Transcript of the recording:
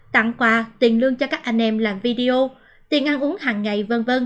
tặng quà tiền lương cho các anh em làm video tiền ăn uống hằng ngày v v